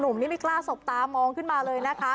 นุ่มนี่ไม่กล้าสบตามองขึ้นมาเลยนะคะ